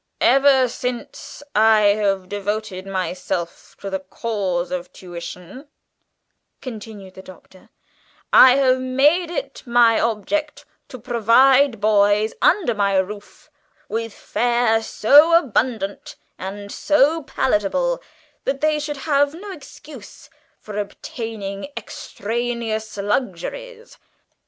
"Ever since I have devoted myself to the cause of tuition," continued the Doctor, "I have made it my object to provide boys under my roof with fare so abundant and so palatable that they should have no excuse for obtaining extraneous luxuries.